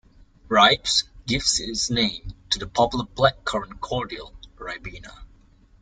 "Ribes" gives its name to the popular blackcurrant cordial Ribena.